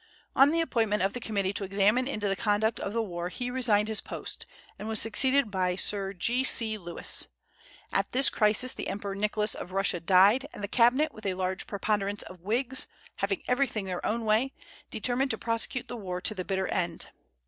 On the appointment of a committee to examine into the conduct of the war he resigned his post, and was succeeded by Sir G.C. Lewis. At this crisis the Emperor Nicholas of Russia died, and the cabinet, with a large preponderance of Whigs, having everything their own way, determined to prosecute the war to the bitter end.